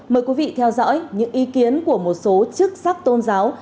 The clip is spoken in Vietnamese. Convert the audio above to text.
mời quý vị theo dõi những ý kiến của một số chức sắc tôn giáo